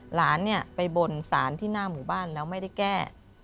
หลานเนี่ยไปบนสารที่หน้าหมู่บ้านแล้วไม่ได้แก้